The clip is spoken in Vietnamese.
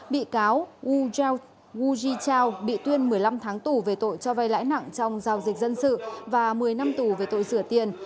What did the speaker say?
bị cáo wu ji chao bị tuyên một mươi năm tháng tù về tội cho vay lãi nặng trong giao dịch dân sự và một mươi năm tù về tội sửa tiền